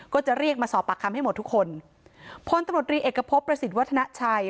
ก็จะเรียกมาสอบปากคำให้หมดทุกคนพลตำรวจรีเอกพบประสิทธิ์วัฒนาชัย